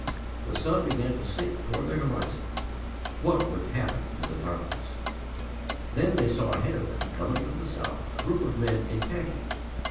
The sun began to sink toward the horizon. What would happen in the darkness? Then they saw ahead of them coming from the south a group of men in khaki.